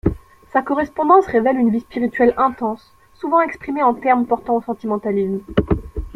Sa correspondance révèle une vie spirituelle intense souvent exprimée en termes portant au sentimentalisme.